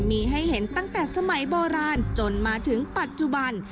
มีให้เห็นตั้งแต่สมัยโบราณจนมาถึงปัจจุบัน